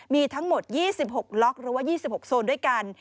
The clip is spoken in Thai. มีทั้งหมด๒๖ล็อกหรือว่า๒๖โซนด้วยกัน